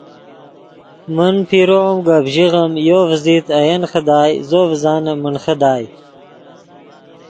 من پیرو ام گپ ژیغیم یو ڤزیت اے ین خدائے زو ڤزانیم من خدائے